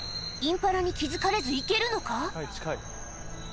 インパラに気付かれず行けるのか？